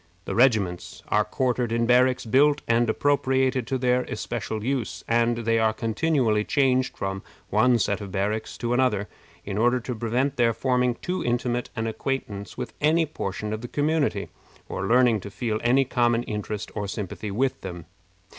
The regiments arc quartered in barracks built and appropriated to their especial use, and they are continually changed from one set of barracks to another, in order to prevent their forming too intimate an acquaintance with any portion of the community, or learning to feel any common interest or sympathy with them.